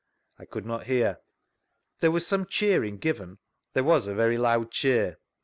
— I could not hear. There was some cheering given?— There was a very loud cheer.